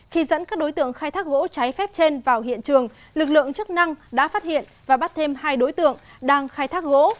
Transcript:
khi dẫn các đối tượng khai thác gỗ trái phép trên vào hiện trường lực lượng chức năng đã phát hiện và bắt thêm hai đối tượng đang khai thác gỗ